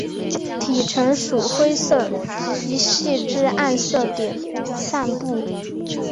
体成鼠灰色有极细之暗色点散布。